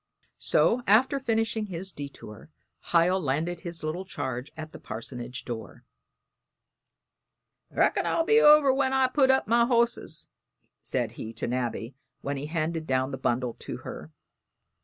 So, after finishing his detour, Hiel landed his little charge at the parsonage door. "Reckon I'll be over when I've put up my hosses," he said to Nabby when he handed down the bundle to her.